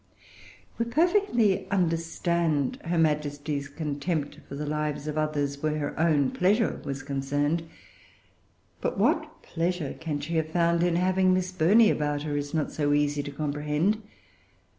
We perfectly understand her Majesty's contempt for the lives of others where her own pleasure was concerned. But what pleasure she can have found in having Miss Burney about her, it is not so easy to comprehend.